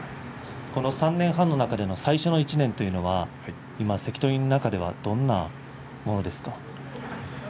この３年半の中で最初の１年というのは関取の中ではどんなものですか？